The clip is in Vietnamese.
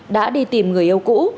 đã đi tìm người yêu cũ